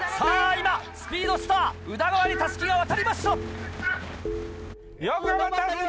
今スピードスター宇田川に襷が渡りました！